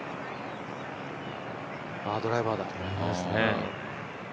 あ、ドライバーだ。